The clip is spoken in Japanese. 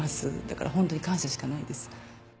だからホントに感謝しかないです。